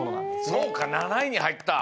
そうか７位にはいった！